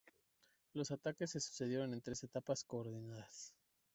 Los ataques se sucedieron en tres etapas coordinadas.